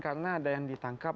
karena ada yang ditangkap